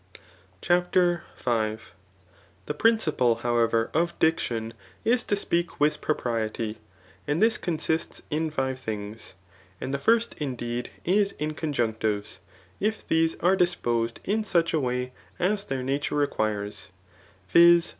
CHAPTER V* Thje principle, however, of diction is to speak with propriety; and this consists in five things. And the first indeed, is in conjunctives, ' if these are disposed in ^uch a way as their nature requires, viz.